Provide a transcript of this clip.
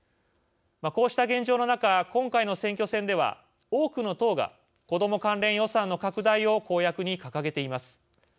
こうした現状の中今回の選挙戦では多くの党が子ども関連予算の拡大を公約に掲げています。